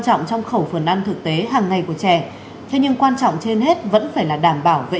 trọng trong khẩu phần ăn thực tế hàng ngày của trẻ thế nhưng quan trọng trên hết vẫn phải là đảm bảo vệ